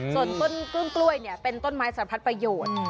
ส่วนต้นกลื้มกล้วยเนี่ยเป็นต้นไม้สารพัดประโยชน์